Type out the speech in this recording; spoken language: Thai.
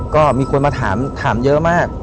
ก็มีคนมาถามเยอะมาก